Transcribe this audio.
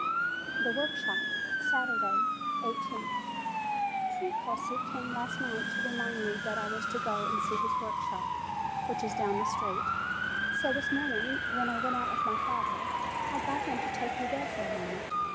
THE WORKSHOP Saturday, i8th. Precossi came last night to remind me that I was to go and see his workshop, which is down the street. So this morning when I went out with my father, I got him to take me there for a moment.